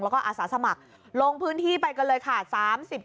แล้วก็อาสาสมัครลงพื้นที่ไปกันเลยค่ะ